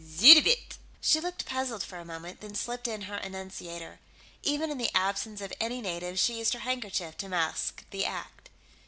"Suddabit." She looked puzzled for a moment, then slipped in her enunciator. Even in the absence of any native, she used her handkerchief to mask the act.